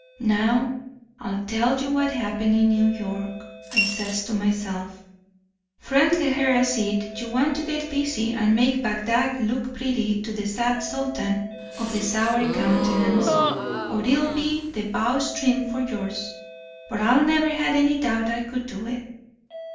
"Now I'll tell you what happened in New York. I says to myself: 'Friend Heherezade, you want to get busy and make Bagdad look pretty to the sad sultan of the sour countenance, or it'll be the bowstring for yours.' But I never had any doubt I could do it.